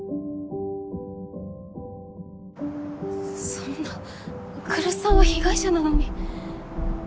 そんな来栖さんは被害者なのに。